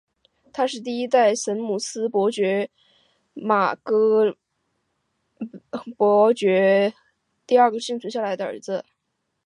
他是第一代什鲁斯伯里伯爵蒙哥马利的罗杰和贝莱姆的梅布尔第二个存活下来的儿子。